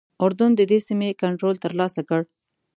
اردن ددې سیمې کنټرول ترلاسه کړ.